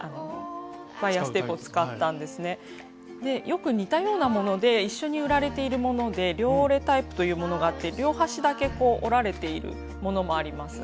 よく似たようなもので一緒に売られているもので両折れタイプというものがあって両端だけ折られているものもあります。